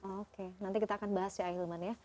oke nanti kita akan bahas ya ahilman ya